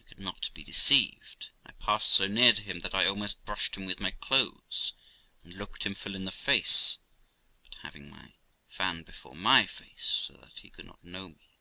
I could not be deceived; I passed so near him that I almost brushed him with my clothes, and looked him full in the face, but having my fan before my face, so that he could not know me.